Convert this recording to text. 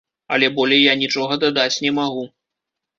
Але болей я нічога дадаць не магу.